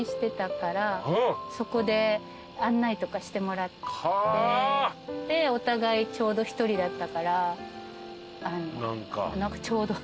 そこで案内とかしてもらってでお互いちょうど一人だったからちょうど。